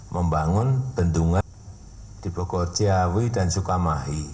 membangun bendungan di bogor ciawi dan sukamahi